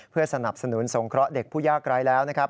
เพื่อสนับสนุนสงเคราะห์เด็กผู้ยากไร้แล้วนะครับ